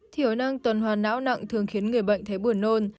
thiểu năng tuần hoàn não nặng thường khiến người bệnh thấy buồn nôn